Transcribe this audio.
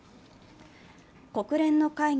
国連の会議